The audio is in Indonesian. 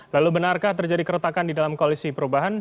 lalu benarkah terjadi keretakan di dalam koalisi perubahan